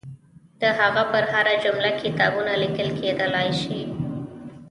د هغه پر هره جمله کتابونه لیکل کېدلای شي.